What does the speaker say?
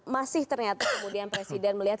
masih ternyata kemudian presiden melihat